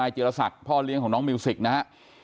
นัยเจรศักดิ์เพ้าเลี้ยงของน้องมิวซิกนะครับ